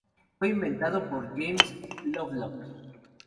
Fue inventado por James Lovelock.